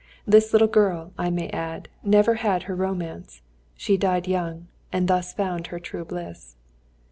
This little girl, I may add, never had her romance; she died young, and thus found her true bliss.